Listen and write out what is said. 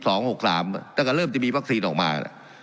ทำมาตั้งแต่ปี๖๒๖๓ตั้งแต่เริ่มจะมีวัคซีนออกมา